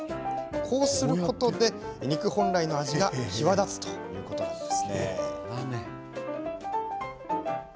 こうすることで肉本来の味が際立つといいます。